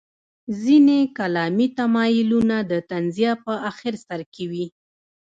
ځینې کلامي تمایلونه د تنزیه په اخر سر کې وو.